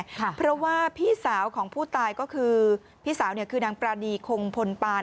เพราะว่าพี่สาวของผู้ตายก็คือพี่สาวเนี่ยคือนางปรานีคงพลปาน